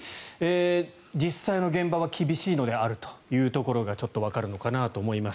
実際の現場が厳しいというのがちょっとわかるかなと思います。